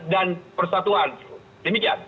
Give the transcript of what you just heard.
dan persatuan demikian